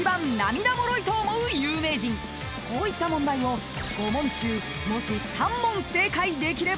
［こういった問題を５問中もし３問正解できればお年玉］